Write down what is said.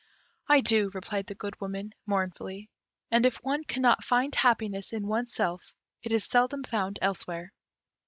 "I do," replied the Good Woman, mournfully; "and if one cannot find happiness in one's self, it is seldom found elsewhere.